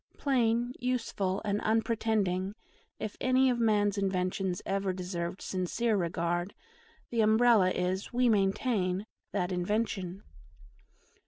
Plain, useful, and unpretending, if any of man's inventions ever deserved sincere regard, the Umbrella is, we maintain, that invention.